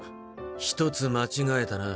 ひとつ間違えたな。